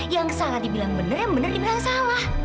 yang salah dibilang bener yang bener dibilang salah